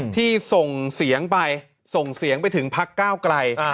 ที่ส่งเสียงไปส่งเสียงไปถึงพักก้าวไกล